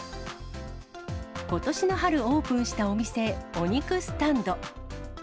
ことしの春オープンしたお店、オニクスタンド。